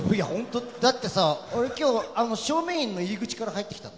だってさ、俺今日正面の入り口から入ってきたの。